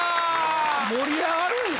盛り上がるんやな。